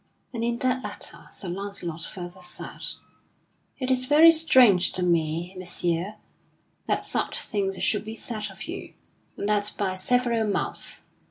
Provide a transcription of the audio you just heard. And in that letter Sir Launcelot further said: "It is very strange to me, Messire, that such things should be said of you, and that by several mouths.